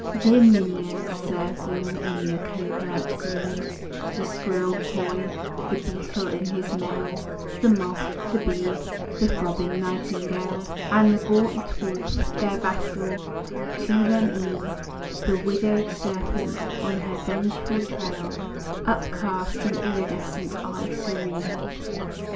Dear minions served them in the covert green: The squirrel coy, the beetle in his mail, The moth, the bee, the throbbing nightingale, And the gaunt wolf, their vassal; to them e'en The widowed serpent, on her vengeful trail, Upcast an iridescent eye serene.